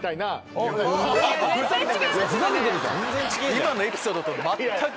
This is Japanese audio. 今のエピソードとは全く。